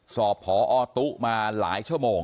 สอบพอตุ๊มาหลายชั่วโมง